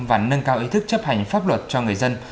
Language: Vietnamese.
và nâng cao ý thức chấp hành pháp luật cho người dân